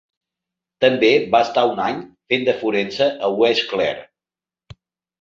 També va estar un any fent de forense a West Clare.